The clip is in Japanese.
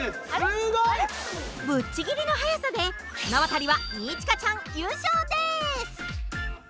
ぶっちぎりの速さで綱渡りは二千翔ちゃん優勝です！